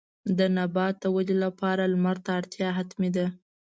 د نبات د ودې لپاره لمر ته اړتیا حتمي ده.